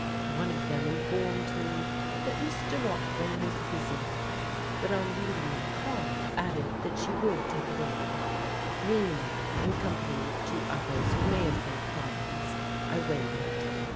One of them informed me that Mr. Watling was busy, but on reading my card added that she would take it in. Meanwhile, in company with two others who may have been clients, I waited.